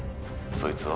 そいつは？